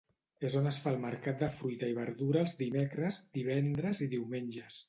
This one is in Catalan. És on es fa el mercat de fruita i verdura els dimecres, divendres i diumenges.